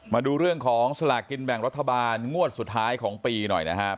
มาดูเรื่องของสลากกินแบ่งรัฐบาลงวดสุดท้ายของปีหน่อยนะครับ